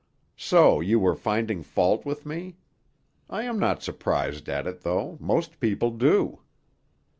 So you were finding fault with me? I am not surprised at it, though; most people do."